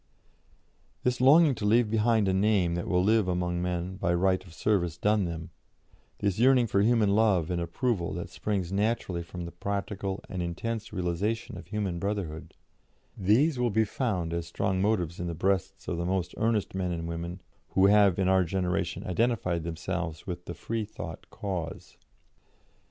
" This longing to leave behind a name that will live among men by right of service done them, this yearning for human love and approval that springs naturally from the practical and intense realisation of human brotherhood these will be found as strong motives in the breasts of the most earnest men and women who have in our generation identified themselves with the Freethought cause.